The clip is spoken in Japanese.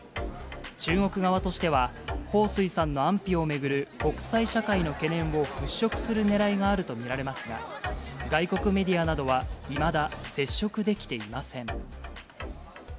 中国側としては、彭帥さんの安否を巡る国際社会の懸念を払拭するねらいがあると見られますが、外国メディアなどは、いまだ接触できていません。